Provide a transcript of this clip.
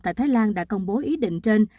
tại thái lan đã công bố ý định trên